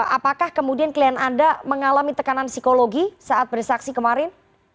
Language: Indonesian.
apakah kemudian klien anda mengalami tekanan psikologi saat bersaksi kemarin